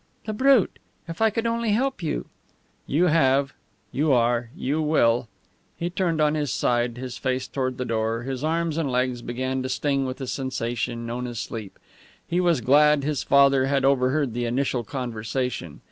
"The brute! If I could only help you!" "You have you are you will!" He turned on his side, his face toward the door. His arms and legs began to sting with the sensation known as sleep. He was glad his father had overheard the initial conversation.